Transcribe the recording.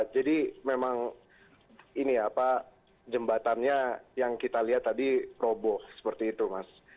jadi memang jembatannya yang kita lihat tadi roboh seperti itu mas